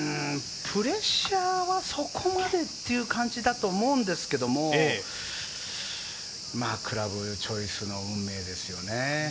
プレッシャーはそこまでっていう感じだと思うんですけど、クラブチョイスの運命ですよね。